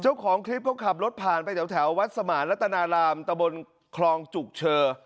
เจ้าของคลิปเขาขับรถผ่านไปแถววัดสมานรัตนารามตะบนคลองจุกเชอ